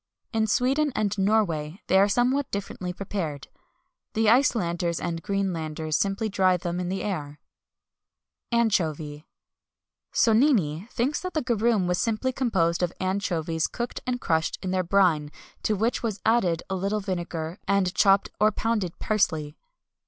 In Sweden and Norway they are somewhat differently prepared. The Icelanders and Greenlanders simply dry them in the air.[XXI 211] ANCHOVY. Sonnini thinks that garum was simply composed of anchovies cooked and crushed in their brine, to which was added a little vinegar, and chopped or pounded parsley.